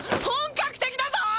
本格的だぞ！